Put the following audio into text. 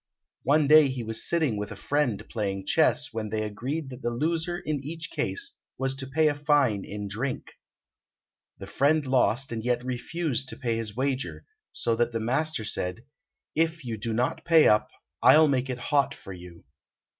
One day he was sitting with a friend playing chess, when they agreed that the loser in each case was to pay a fine in drink. The friend lost and yet refused to pay his wager, so that the master said, "If you do not pay up I'll make it hot for you."